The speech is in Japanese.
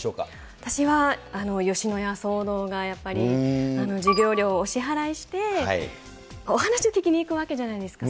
私は吉野家騒動がやっぱり、授業料をお支払いして、お話を聞きに行くわけじゃないですか。